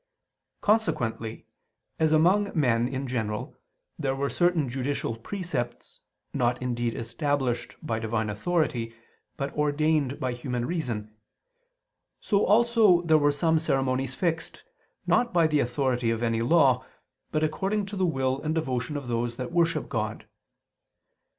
Consequently, as among men in general there were certain judicial precepts, not indeed established by Divine authority, but ordained by human reason; so also there were some ceremonies fixed, not by the authority of any law, but according to the will and devotion of those that worship God.